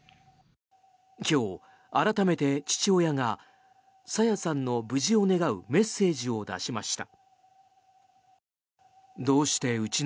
今日、改めて父親が朝芽さんの無事を願うメッセージを出しました。